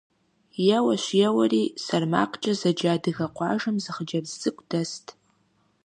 Еуэщ-еуэри СэрмакъкӀэ зэджэ адыгэ къуажэм зы хъыджэбз цӀыкӀу дэст.